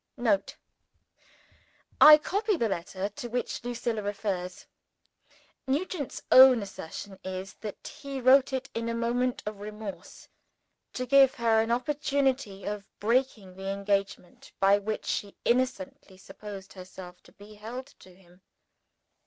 [Note. I copy the letter to which Lucilla refers. Nugent's own assertion is, that he wrote it in a moment of remorse, to give her an opportunity of breaking the engagement by which she innocently supposed herself to be held to him.